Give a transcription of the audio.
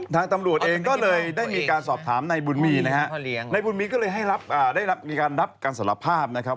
ทางตำรวจเองก็เลยได้มีการสอบถามนายบุญมีนะฮะนายบุญมีก็เลยมีการรับการสารภาพนะครับ